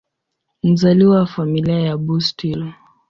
Mzaliwa wa Familia ya Bustill.